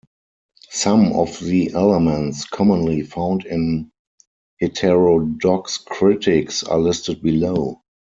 Some of the elements commonly found in heterodox critiques are listed below.